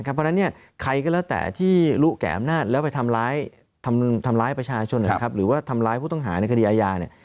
เพราะฉะนั้นใครก็แล้วแต่ที่รู้แก่อำนาจแล้วไปทำร้ายประชาชนหรือว่าทำร้ายผู้ต้องหาในคดีอาญา